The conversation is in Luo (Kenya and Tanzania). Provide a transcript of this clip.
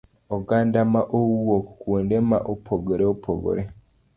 oganda ma owuok kuonde ma opogore opogore.